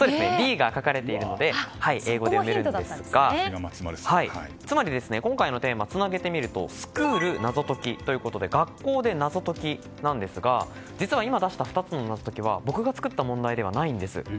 英語で読めるんですがつまり、今回のテーマをつなげてみるとｓｃｈｏｏｌ、謎解きとなり学校で謎解きなんですが実は今出した２つの謎解きは僕が出した問題ではないんです。